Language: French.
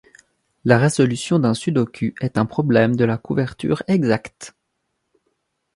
La résolution d'un Sudoku est un problème de la couverture exacte.